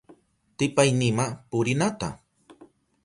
Tipaynima purinata,